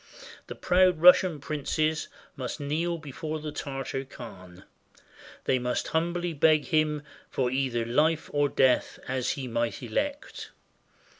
The proud Russian princes must kneel before the Tartar khan. They must humbly beg him for either life or death, as he might elect.